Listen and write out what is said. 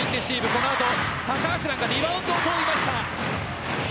この後高橋藍がリバウンドを取りました。